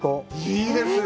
いいですよ。